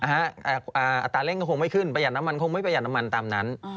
อัตราเร่งก็คงไม่ขึ้นประหัดน้ำมันคงไม่ประหัดน้ำมันตามนั้น